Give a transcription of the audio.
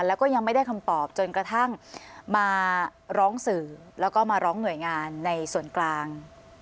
แล้วก็ยังไม่ได้คำตอบจนกระทั่งมาร้องสื่อแล้วก็มาร้องหน่วยงานในส่วนกลาง